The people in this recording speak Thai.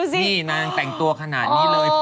นี่นางแต่งตัวขนาดนี้เลย